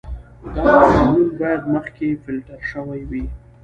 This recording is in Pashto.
دا محلول باید مخکې فلټر شوی وي.